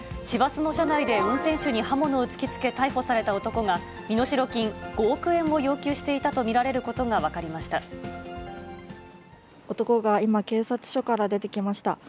市バスの車内で運転手に刃物を突きつけ逮捕された男が、身代金５億円を要求していたと見られるこ男が今、警察署から出てきました。